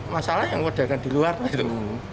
masalah yang pedagang di luar itu